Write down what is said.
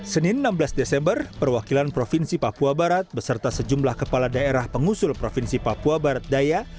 senin enam belas desember perwakilan provinsi papua barat beserta sejumlah kepala daerah pengusul provinsi papua barat daya